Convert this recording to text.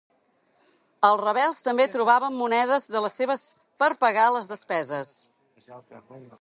Els rebels també trobaven monedes de les seves per pagar les despeses.